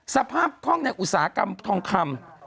คล่องในอุตสาหกรรมทองคำ